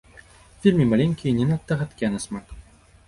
Вельмі маленькія і не надта гадкія на смак.